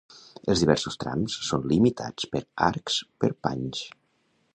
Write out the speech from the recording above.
Els diversos trams són limitats per arcs perpanys.